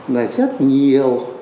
là rất nhiều